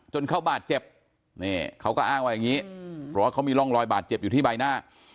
เขาบาดเจ็บนี่เขาก็อ้างว่าอย่างนี้เพราะว่าเขามีร่องรอยบาดเจ็บอยู่ที่ใบหน้า